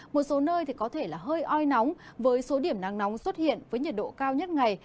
một số nơi có thể là hơi oi nóng với số điểm nắng nóng xuất hiện với nhiệt độ cao nhất ngày